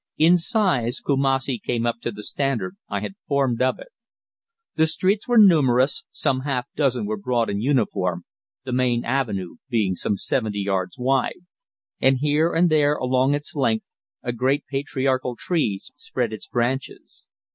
In size Kumassi came up to the standard I had formed of it. The streets were numerous, some half dozen were broad and uniform, the main avenue being some seventy yards wide, and here and there along its length a great patriarchal tree spread its branches.